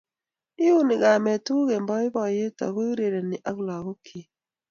iuni kamet tuguk eng' boiboiet aku urereni ak lagok chich